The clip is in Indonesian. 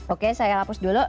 oke saya hapus dulu